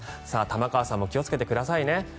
玉川さんも気をつけてくださいね。